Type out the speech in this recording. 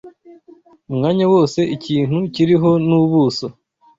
Umwanya wose ikintu kiriho n’ ubuso